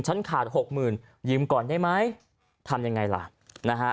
ฉันขาด๖๐๐๐๐ยิ้มก่อนได้ไหมทำยังไงล่ะนะฮะ